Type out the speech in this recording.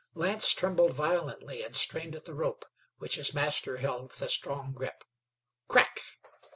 Lance trembled violently and strained at the rope, which his master held with a strong grip. CRACK!